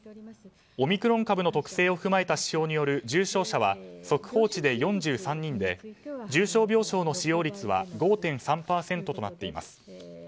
オミクロン株の特性を踏まえた指標による重症者は速報値で４３人で重症病床の使用率は５．３％となっています。